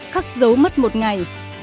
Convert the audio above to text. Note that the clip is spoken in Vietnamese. hai khắc dấu mất một ngày